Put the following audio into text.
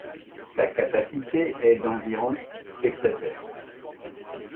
Sa capacité est d'environ spectateurs.